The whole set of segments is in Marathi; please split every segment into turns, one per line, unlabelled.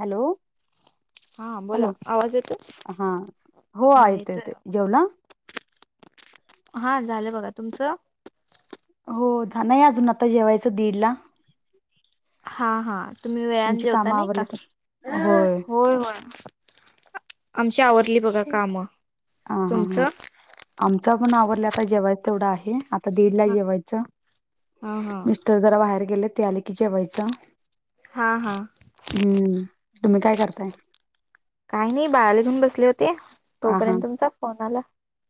हॅलो
हा बोला
हॅलो
आवाज येतो
हा हो येतोय, येतोय जेवला?
हा झालं बघा तुमचं?
हो नाही अजून आता जेवायचं दीडला
हा हा तुम्ही वेळानं
तुमची
जेवता
कामं
नाही
आवरले
का होय होय. आमची आवरली बघा कामं
हा हा हां
तुमचं
आमचा पण आवरला आता जेवायचं तेवढं आहे. आता दीडला
हा
जेवायचं
हा हा
मिस्टर जरा बाहेर गेलेत, ते आले की जेवायचं..
हा हा.
हम्म तुम्ही काय करताय?.
काही नाही बाळाला घेऊन बसले होते,
आ
तोपर्यंत तुमचा फोन आला..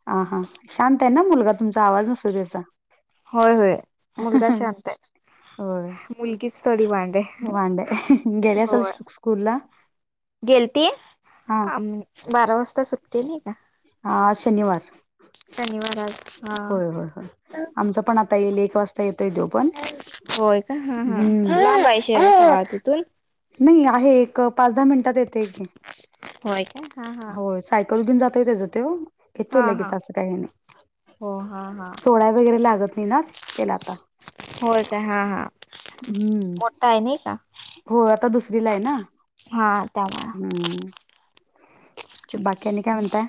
हा हा शांत आहे ना मुलगा तुमचा आवाज नसतोय त्याचा.
होय होय मुलगा शांत आहे,
होय
मुलगीच तेवढी वांड आहे..
वांड आहे. गेले असेल
होय
स्कूलला
गेलती..
हा
बारा वाजता सुटते नाही का?.
आज शनिवार.
शनिवार आज. हा
होय होय होय आमच पण आता येईल एक वाजता येतोय देवघ.
होय का हा हाय शे तिथून.
नाही आहे एक पाच दहा मिनिटात येतय की.
होय का हा हा.
परत येऊन जातोय तजो तो. येतोय
हा हा
लगेच असं काही नाही
हो हा हा
सोडा वगैरे लागत नाही ना. तेलाता
होय हा हा
हम्म.
मोठा काय नाही का.
हो आता दुसरीला आहे ना.
हा त्यामुळे.
हम्म.
चुप
बाक्यांनी काय म्हणताय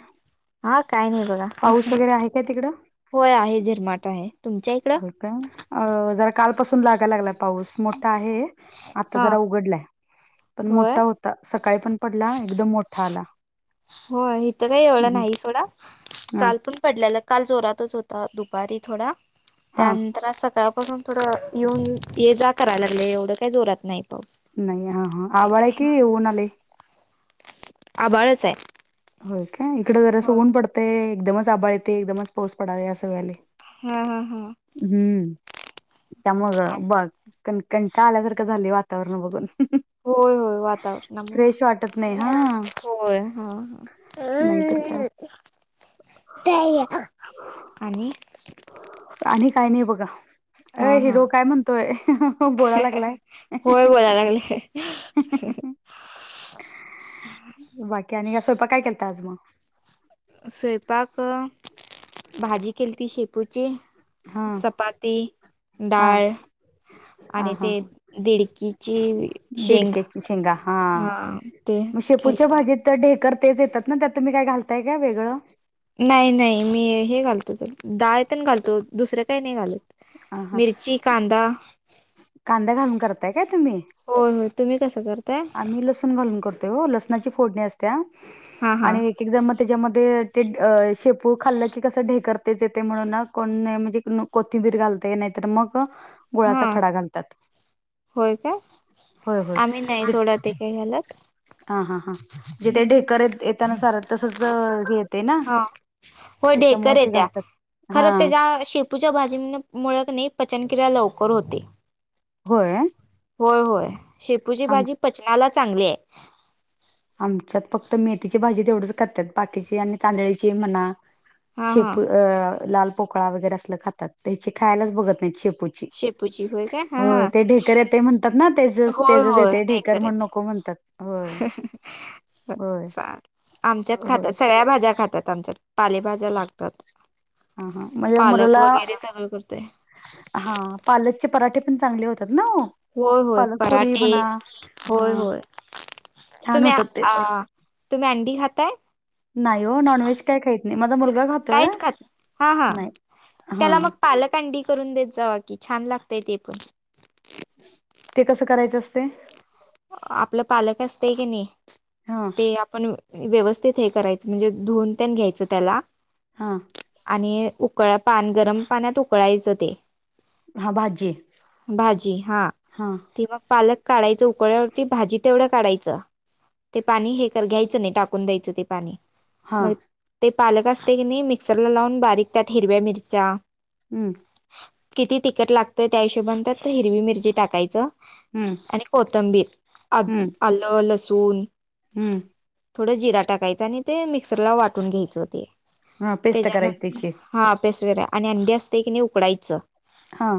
हा काय नाही बघा
पाऊस वगैरे आहे काय तिकडं.
होय आहे झिरमाट आहे तुमच्या इकडे.
होय अ जरा कालपासून लागायला लागलाय पाऊस मोठा आहे आता
हा
जरा उघडलाय. पण
होय
मोठा होता सकाळी पण पडला एकदम मोठा आला.
हो इिथं काही एवढं
हम्म.
नाही सोडा
हा
काल पण. पडल्याला काल जोरातच होता दुपारी थोडा
हा
त्यानंतर सकाळ. पासून थोडं येऊन ये जा करायला लागले एवढं काही जोरात नाही. पाऊस
नाही हा हा आभाळ आहे की ऊन आलय.
आभाळच आहे.
हो काय इकडें जरास ऊन पडतंय एकदमच आभाळ येते एकदमच पाऊस पडाला असं व्हायलय.
हा हा हा.
हम्म त्यामुळं बाकी. कणकंटा आल्यासारखं झाले वातावरण बघून.
होय होय वातावरणामुळे
फ्रेश वाटत नाही हा.
होय हा
नाहीतर काय
ह. त्या आणि.
आणि काय नाही बघा. अ
हा हा
हिरो काय म्हणतोय बोला लागलाय.
होय बोलाय लागले. ह.
बाकी आणि का स्वयपाक काय केलता आज मग.
स्वयंपाक भाजी केली ती शेपूची.
हा
चपाती
हा
डाळ.
हा
आणि
हा
ते दिडकीची शेंग.
दिडक्याची शेंगा
हा ते खळतात.
तर ढेकर तेच येतात ना त्या तुम्ही काय घालताय का वेगळं.
नाही नाही मी हे घालतो डाळेतण घालतो दुसरं काही नाही घालत.
अ हा
मिरची कांदा
कांद्या घालून करताय काय तुम्ही.
होय होय तुम्ही कसं करता.
आम्ही लसूण घालून करतोय हो लसणाची फोडणी असत्या
हा हा
आणि एक. ज मग त्याच्यामध्ये ते शेपू खाल्लं की कसं ढेकरतेच येते म्हणून ना कोण म्हणजे कोथिंबीर घालते नाहीतर मग गोळाचा
हा
खडा घालतात
होय
होय होय
गकही गलात
हा हा हां जे ते ढेकर येताना सारत तसच हे येते ना
हा होय
त्याच्यामुळ
ढेकर
ते घालतात हा
तुझ्या भाजीन मुळ नाही पचनक्रिया लवकर होते
होय
होय होय शेपूची
आम
भाजी पचनाला चांगली आहे
आमच्यात फक्त मेथीची भाजी तेवढच खातात बाकीची आणि तांदळीची म्हणा
हा हा
शेप अ लाल पोकळा वगैरे असलं खातात त्याची खायलाच बघत नाही शेपू
शेपूची होय काय हा
हो
हा
ते ढेकरऱ्या म्हणतात ना तेचच
होय
तेचच
होय
येते ढेकर
डेकर
म्हण
आहे
नको म्हणतात होय होय
आमच्यात खातात
होय
सगळ्या भाज्या खातात आमच्यात पालेभाज्या लागतात
हा हा म्हणजे
पालक
मुलाला
वगैरे सगळं करतोय
हा पालकचे पराठे पण चांगले होते तर ना
होय होय
पलक पुुरी
पराठे
बणा
होय
हम
होय तुम्ही
छानत
आ,
ते पण
आ, तुम्ही अंडी खाताय
नाही हो नॉनव्हेज काय खहीत नाही माझ मुला खात
काहीच खात हा हा
हा
त्याला मग पालक कांडी करून देत जावा की छान लागतय ते पण
ते कसं करायचं असते
आपलं पालक असत की नाही
हा
ते आपण व्यवस्थित हे करायचं म्हणजे धुवन त्यान घ्यायचं त्याला
हां
आणि उकळ पान गरम पाण्यात उकळायचं ते
हा भाजी
भाजी हा ते मग पालक काढायच पकळ्यावरती भाजी तेवढं काढायचं ते पाणी हे कर घ्यायचं नाही टाकून द्यायचं ते पाणी
हा
मग ते पालक असते की नाही मिक्सर लावून बारीक त्यात हिरव्या मिरच्या
हमंन
किती तिखट लागतं त्या हिशोबनतात हिरवी मिरची टाकायचं
हम्म
आणि कोथंबीर अ
हम्म
आलं लसूून
हम्म
थोडं जिरा टाकायच आणि ते मिक्सरला वाटून घ्यायचं ते
हा पेस्ट करायची
त्याच्यानंतर
त्याची
हा अभेस वेर आणि अंडी असते की नाही उकडायचं
हा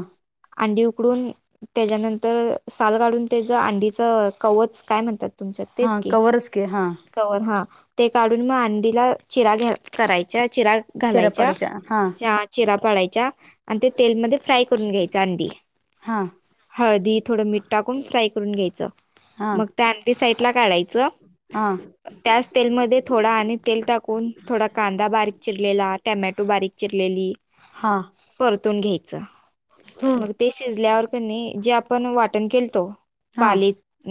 अंडी उकडून त्याच्यानंतर साल काढून त्याच अंडीच कवच काय म्हणतात तुमच्यात तेच
हा
की
कवरच हा
कवर हा ते काढून मग अंडीला चिरा घ करायच्या चिरा घालायच्या
चिरापाडाच्या हा
चिरा पाडायच्या आणि ते तेलमध्ये फ्राय करून घ्यायचा अंधी
हा
हळदी थोडं मठ टाकून फ्राय करून घ्यायचं
हा
मग त्या आणटी साईड ला काढा यचं
हा
त्याच तेलमध्ये थोडा आणि तेल टाकून थोडा कांदा बारीक चिरलेला टमॅटो बारीक चिरलेली
हा
परतून घ्यायच
ह
मग ते शिजल्यावर प जे आपण वाटण केलं
हा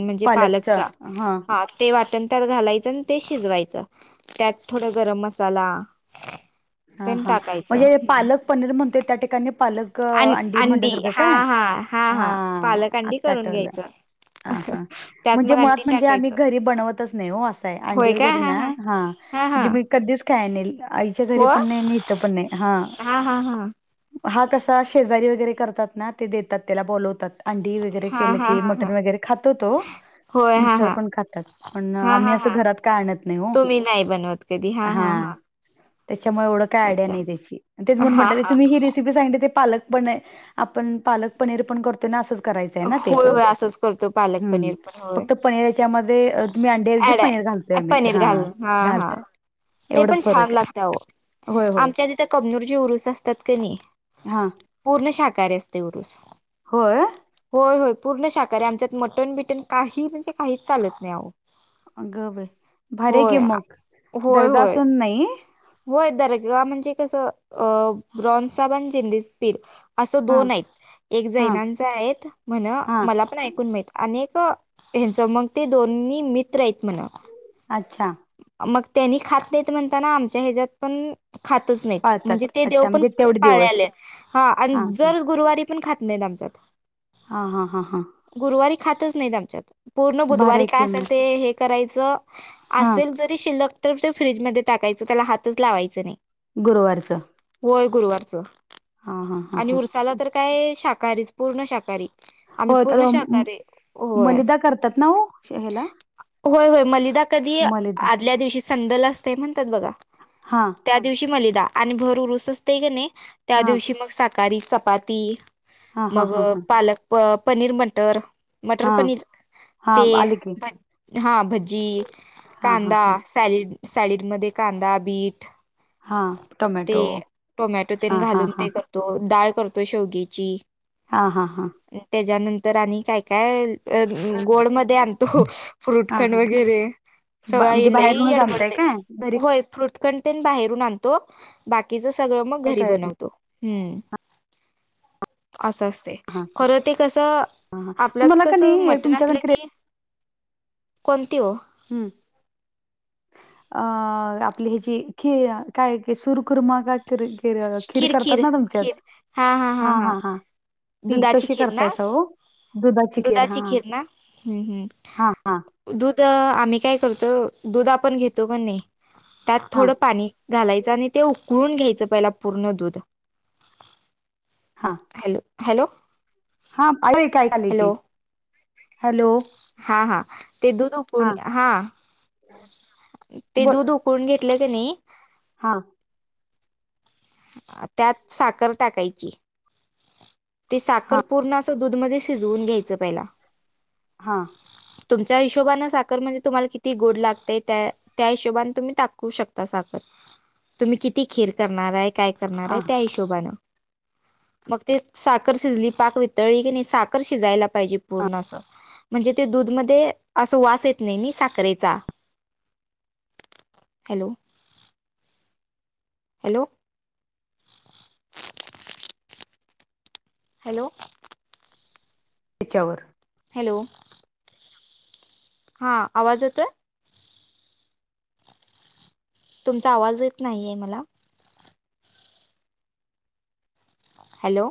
म्हणजे
पालकचा
पालक
हा
ते वाटण त्यात घालायचं आणि ते शिजवायचं त्यात थोड गरम मसाला
हा
पण
हा
टाकायच
म्हणजे
हम्
पालक पनीर म्हणतोय त्या ठिकाणी पालक
अ अंडी
म्हटल्यासारखं
हा
काय
हा हा हा पालकांडी
आत्ता
करून
आठवलं
घ्यायचं
हा हा
त्यात
म्हणजे
मग
मुळात
अंडी
म्हणजे आम्ही
टाकायचं
घरी बनवतच नाही हो असं आहे अंडी वगैरे ना हा
हां
म्हणजे
हां
मी कधीच काय नाही आईच्या घरी पण नाही आणि इथं पण नाही हा
हा हा
हा कसा शेजारी वगैरे करतात ना ते देतात त्याला बोलवतात अंडी वग वैे
हा
के
हा
की
हा हा
मटन वगैरे खातो तो
होय हा
मिस्टर
हा
पण खातात पण
हा
आम्ही
हा
असं घरात काय आणत नाही हो
कदी हा हा हा
त्याच्यामुळे एवढं काय
अच्छा
आयडया
अच्छा
नाही त्याची ते म्ह म्ह
हा
ते
हा
तुम्ही हिरी ग पालक प आपण पालक पनीर पण करत क
होय होय असंच करतो पालक पनीर पण होय
मी अंड्याऐवजी
ऍड
पनीर घालतय आ म्ही
पनीर
हा
घालून हा हा
घालतय
ते
एवढच
पण छान
फरक आहे
लागतं
होय होय
आमच्या तथं कमनूरजी उरुस असतात क नाही
हा
पूर्ण शाकाहारी असते उरुस
होय
होय होय पूर्ण शाकाहारी आमच्यात मटण बिटन काही म्हणजे काहीच चालत नाही आहेहो
अ गव आहे भार की
आ
मग
होय होय
दर्गासून नाही
होय दरा म्हणजे कसं अ ब्रॉन साब आणि जि पीर असं
हा
दोन आहेत एक
हा
जैनांचा आहेत म्हण
हा
मला ण ऐकून माह आणि हच मग ते दोन्ही मित्र आहेत म्हण
अच्छा
मग त्यांनी खात नाहीत म्हणताना आमच्या ह्याच्यात पण खातच नाहीत म्हणजे
पाळतात
ते देव
अच्छा
पण
म्हणजे तेवढे दिवस
पाले हा आणि जर गुरुवारी पण खात नाही आमच्यात
हा हा हा हा
गुरुवारी खातच नाहीत आमच्यात पूर्ण
भारी
बुधवारी
आहे
काय
की
असेल
मग
ते हे करायचं
हा
असेल जरी शिल्लक तर फ्रीजमध्ये टाकायचं त्याला हातच लावायचं नाही
गुरुवारचं
होय गुरुवारच
हा हा हा
आणि
हा
उरसाला तर काय शाकाहारीच पूर्ण शाकाहारी
हो
आम्ही
आता
पूर्ण
म-
शाकाारी होय
मलिदा करतात ना हो ह्याला
होय होय मलिदा कधी
मलिदा
आदल्या दिवशी संदल असते म्हणतात बघा
हा
त्या दिवशी मलिदा आणि भर उरुसचते ग नाही त्या
हा
दिवशी मग साकाारी चपाती
हा हा
मग
हा हा
पालक पनीर मटर मटर
हा
पनीर
हा
ते
आले की
भ हा भजजी
हा हा
कांदा
हा
सॅलड सॅलडमध्येध्ये कांदा बीट
हा
ते
टोमॅटो
टोमॅटो ते
हा हा
घालून
हा
ते कर
हा
तो डाळ करतो शेवगीची
हा हा हां
त्याच्यानंतर आणि काय काय अ गोड मध्ये आणतो
हा
फ्रूटखंड
हा
वगैरे
बा- म्हणजे
सगळी
बाहेरूनच आणताय
येडबडते
काय घरी
होय फ्रूट ख बाहेरून आणतो बाकीच सगळं मग
काय
घरी
करत नाही
बनवतो हम्म असं असते
हा
खरं ते कसं
हा हा
आपल्यात
तुम्हाला का
कसं
नाही
म्हट नसलं
तुमच्याकडे
की कोणत्यो
हम्म अ आपली ह्याची खि काय सुरकुरमाग िर खीर करतात ना तुमच्यात हा हा हां ती
दुधाची
कशी
खीर
करताय
ना
स, हो दुधाची खीर, हा,
ना हम्म, हम्म.
हा, हा,
दूध, आम्ही काय करतो, दूध आपण घेतोकानी, त्यात
हा
थोडं पाणी घालायचं. आणि ते उकळून घ्यायचं, पहिला पूर्ण दूध
हां,
हॅलो? हॅलो?
हा आयकू यालय की, हॅलो?
हा, हा, ते दूध उखाळून
हां,
हा, ते
बोल
दूध उ उखळु न कोण घेतले कानी,
हा,
त्यात साखर टाकायची, ती साखर
हा
पूर्ण असं दूध मध्ये शिजवून, घ्यायचं पहिला,
हां,
तुमच्या हिशोबाने साखर, म्हणजे तुम्हाला किती गोड लागते त्या त्या हिशोबने तुम्ही टाकू शकता, साखर तुम्ही किती खीर करणार आहे? काय
हा
करणार आहे,
हा
त्या हिशोबानं. मग ते साखर शिजली, पाक वितळली की नाही, साखर शिजायला पाहिजे पूर्ण असं. म्हणजे ते दूध मध्ये, अस वास येत नाही साखरेचा.
[unintelligible]
हॅलो? हॅलो? हॅलो!
त्याच्यावर
हॅलो? हा आवाज येतोय? तुमचा आवाज येत नाही, आहे मला hello?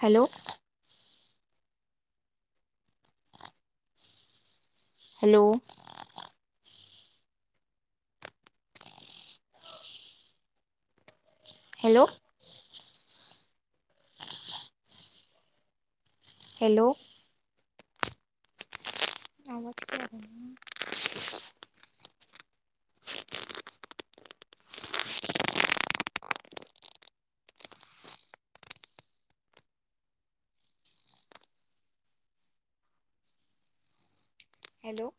Hello? Hello? Hello? Hello! आवाज का येत नाही, हॅलो!